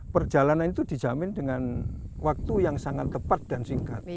perjalanan itu dijamin dengan waktu yang sangat tepat dan singkat